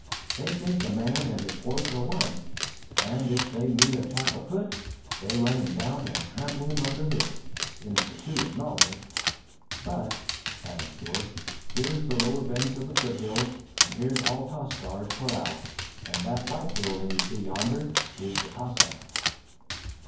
They think a man and his horse are one, and if they meet a chap afoot, they run him down and trample him under hoof, in the pursuit of knowledge. But," adds George, "here's the lower bench of the foothills, and here's Altascar's corral, and that White building you see yonder is the casa."